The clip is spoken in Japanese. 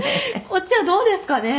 「こっちはどうですかね？